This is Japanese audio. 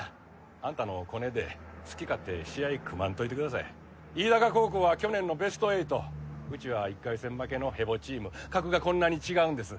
あんたのコネで好き勝手試合組まんといてください飯高高校は去年のベスト８うちは１回戦負けのヘボチーム格がこんなに違うんです